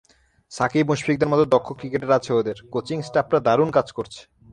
সাকিব, মুশফিকদের মতো দক্ষ ক্রিকেটার আছে ওদের, কোচিং স্টাফরা দারুণ কাজ করছে।